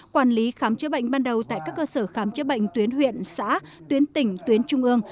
quản lý khám chữa bệnh ban đầu tại các cơ sở khám chữa bệnh tuyến huyện xã tuyến tỉnh tuyến trung ương